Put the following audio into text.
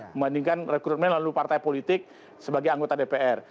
membandingkan rekrutmen lalu partai politik sebagai anggota dpr